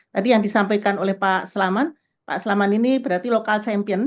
tadi yang disampaikan oleh pak selamat pak selamat ini berarti local champion